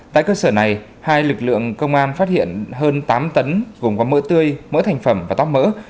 tại cơ sở này hai lực lượng công an phát hiện hơn tám tấn gồm có mỡ tươi mỡ thành phẩm và tóc mỡ